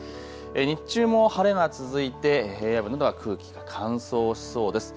日中も晴れが続いて平野部などは空気が乾燥しそうです。